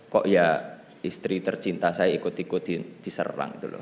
kok ya istri tercinta saya ikut ikut diserang gitu loh